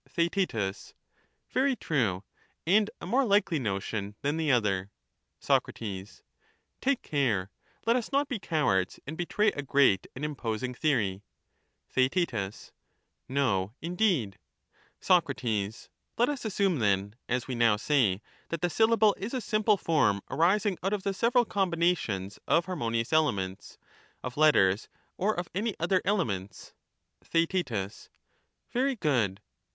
Socrates, Theaet Very true; and a more likely notion than the Thbabtbtus. other. a°d above Sac, Take care ; let us not be cowards and betray a great ^hich is in and imposing theory. divisible. 204 Theaet No, indeed. Soc. Let us assume then, as we now say, that the syllable is a simple form arising out of the several combinations of harmonious elements — of letters or of any other elements. Theaet, Very good.